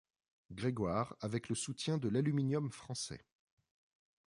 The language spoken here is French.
Grégoire avec le soutien de l'Aluminium Français.